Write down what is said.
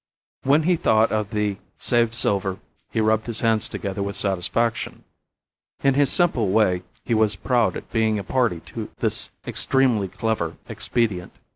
When he thought of the saved silver he rubbed his hands together with satisfaction. In his simple way he was proud at being a party to this extremely clever expedient.